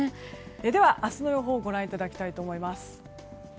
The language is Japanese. では、明日の予報をご覧いただきたいと思います。